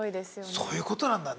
そういうことなんだね。